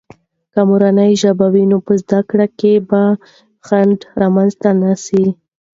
که مورنۍ ژبه وي، نو په زده کړو کې بې خنډ رامنځته نه سي.